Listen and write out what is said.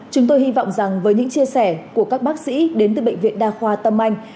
chúng tôi hy vọng rằng với những chia sẻ của các bác sĩ đến từ bệnh viện đa khoa tâm anh